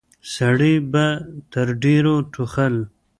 سړي به تر ډيرو ټوخل.